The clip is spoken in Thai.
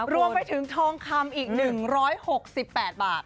รวมไปถึงทองคำอีก๑๖๘บาท